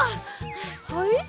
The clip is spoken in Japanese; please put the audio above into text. はい？